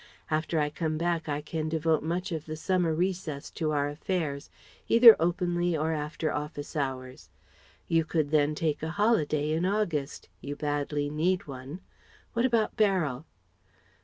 After I come back I can devote much of the summer recess to our affairs, either openly or after office hours. You could then take a holiday, in August. You badly need one. What about Beryl?"